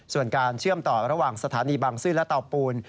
ส่วนการเชื่อมต่อระหว่างสถานีบางซื่อและเตาปูน